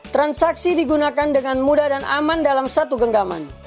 transaksi digunakan dengan mudah dan aman dalam satu genggaman